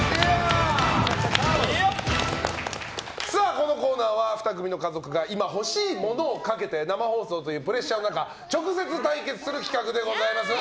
このコーナーは２組の家族が今欲しいものをかけて生放送というプレッシャーの中直接対決する企画です。